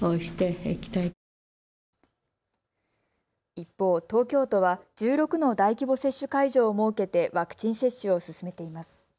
一方、東京都は１６の大規模接種会場を設けてワクチン接種を進めています。